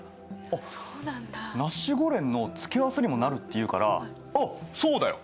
あっナシゴレンの付け合わせにもなるっていうからあそうだよ。